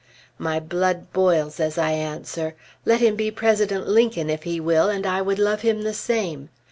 My blood boils as I answer, "Let him be President Lincoln if he will, and I would love him the same."